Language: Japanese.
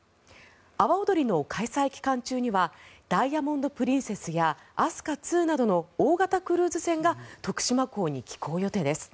阿波おどりの開催期間中には「ダイヤモンド・プリンセス」や「飛鳥２」などの大型クルーズ船が徳島港に寄港予定です。